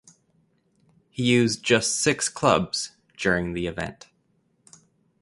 He used just six clubs during the event.